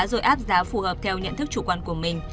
rồi áp giá phù hợp theo nhận thức chủ quan của mình